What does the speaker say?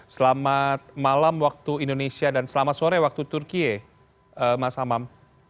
selamat malam waktu indonesia dan selamat sore waktu turkiye mas hamam